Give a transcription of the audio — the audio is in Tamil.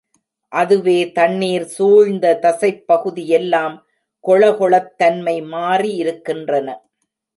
அதுவே தண்ணீர் சூழ்ந்த தசைப் பகுதியெல்லாம் கொழகொழத் தன்மை மாறி இருக்கின்றன.